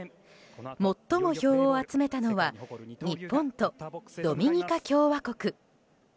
もっとも票を集めたのは日本とドミニカ共和国。